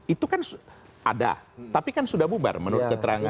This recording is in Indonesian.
itu kan ada tapi kan sudah bubar menurut keterangan